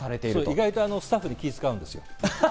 意外とスタッフに気を使うんですよ。